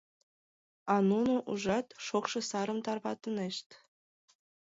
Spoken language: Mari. А нуно, ужат, шокшо сарым тарватынешт.